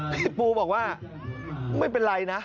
พี่ปูบอกว่าไม่เป็นไรนะ